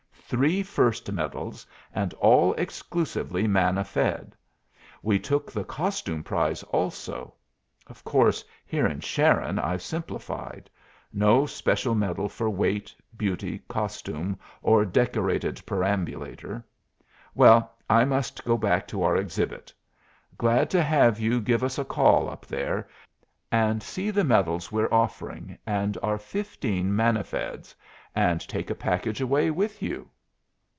Three first medals, and all exclusively manna fed. We took the costume prize also. Of course here in Sharon I've simplified. No special medal for weight, beauty, costume, or decorated perambulator. Well, I must go back to our exhibit. Glad to have you give us a call up there and see the medals we're offering, and our fifteen manna feds, and take a package away with you."